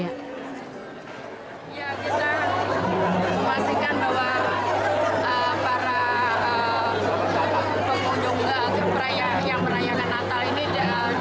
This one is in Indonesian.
ya kita memastikan bahwa para pengunjung yang merayakan natal ini